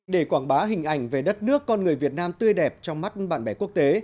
để quảng bá hình ảnh về đất nước con người việt nam tươi đẹp trong mắt bạn bè quốc tế